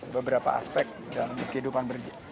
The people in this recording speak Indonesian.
beberapa aspek dalam kehidupan